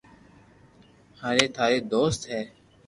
ھاري ٿارو دوست ھين